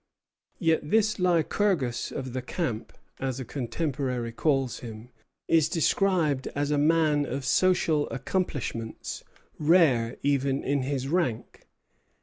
Yet this Lycurgus of the camp, as a contemporary calls him, is described as a man of social accomplishments rare even in his rank.